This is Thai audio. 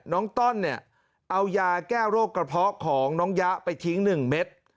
ต้อนเนี่ยเอายาแก้โรคกระเพาะของน้องยะไปทิ้ง๑เม็ด